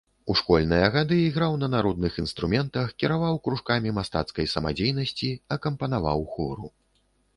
У школьныя гады іграў на народных інструментах, кіраваў кружкамі мастацкай самадзейнасці, акампанаваў хору.